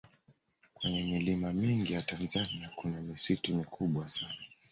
kwenye milima mingi ya tanzania kuna misitu mikubwa sana